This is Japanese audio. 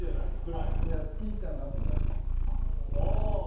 好きじゃなくないです。